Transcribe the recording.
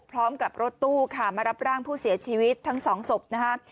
พร้อมกับรถตู้ค่ะมารับร่างผู้เสียชีวิตทั้งสองศพนะฮะ